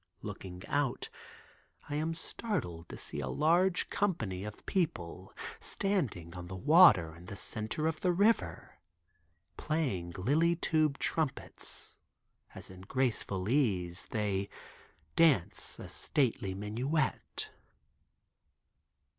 Looking out I am startled to see a large company of people standing on the water in the center of the river playing lily tube trumpets as in graceful ease they dance a stately minuet.